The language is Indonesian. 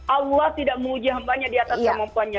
allah tidak menguji hambanya di atas kemampuannya